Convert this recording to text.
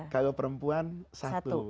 kalau perempuan satu